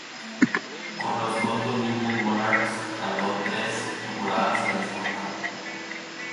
Con los Old Dominion Monarchs tardó tres temporadas en explotar.